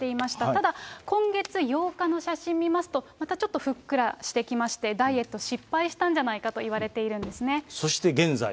ただ今月８日の写真を見ますと、またちょっとふっくらしてきまして、ダイエット失敗したんじゃなそして現在。